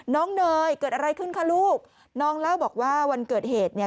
เนยเกิดอะไรขึ้นคะลูกน้องเล่าบอกว่าวันเกิดเหตุเนี่ย